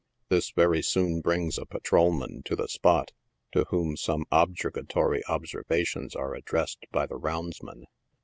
This very soon brings a patrolman to the spot, to whom some objurga tory observations are addressed by the roundsman.